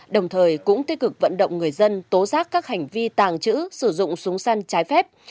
đồng thời cũng tích cực vận động người dân tố giác các hành vi tàng trữ sử dụng súng săn trái phép